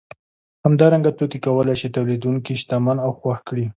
همدارنګه توکي کولای شي تولیدونکی شتمن او خوښ کړي